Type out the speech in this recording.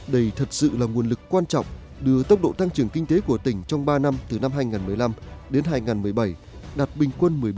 đây thật sự là nguồn lực quan trọng đưa tốc độ tăng trưởng kinh tế của tỉnh trong ba năm từ năm hai nghìn một mươi năm đến hai nghìn một mươi bảy đạt bình quân một mươi bốn